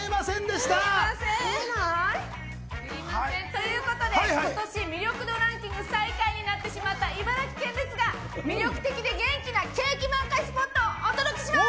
ということで、今年魅力度ランキング最下位になってしまった茨城県ですが魅力的で元気な景気満開スポットを届けします。